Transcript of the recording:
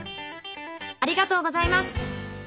ありがとうございます。